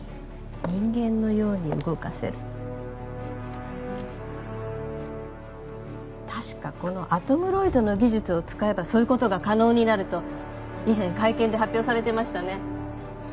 人間のように動かせる確かこのアトムロイドの技術を使えばそういうことが可能になると以前会見で発表されてましたね